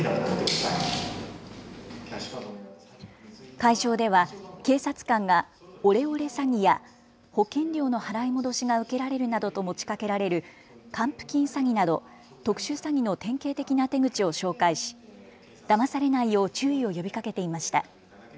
会場では警察官がオレオレ詐欺や保険料の払い戻しが受けられるなどと持ちかけられる還付金詐欺など特殊詐欺の典型的な手口を紹介しだまされないよう注意を呼びかけていました。